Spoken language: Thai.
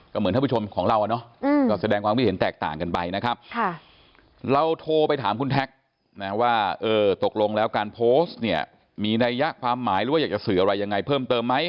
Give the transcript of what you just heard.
ก็เหมือนท่านผู้ชมของเราเนาะก็แสดงความที่เห็นแตกต่างกันไปนะครับ